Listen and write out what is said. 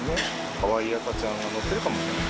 かわいい赤ちゃんが乗ってるかもしれない。